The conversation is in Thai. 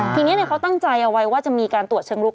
ทีนี้เขาตั้งใจเอาไว้ว่าจะมีการตรวจเชิงลุก